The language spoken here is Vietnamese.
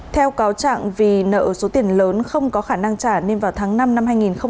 theo cáo trạng vì nợ số tiền lớn không có khả năng trả nên vào tháng năm năm hai nghìn hai mươi